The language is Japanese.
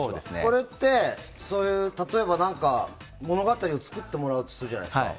これって例えば物語を作ってもらうとするじゃないですか。